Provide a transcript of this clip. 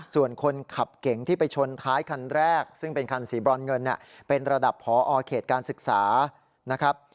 ส่วนคนขับเก่งที่ไปชนท้ายคันแรกซึ่งเป็นคันสีบรอนเงินเป็นระดับพอเขตการศึกษานะครับ